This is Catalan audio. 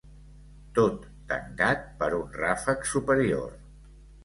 Tot tancat per un ràfec superior.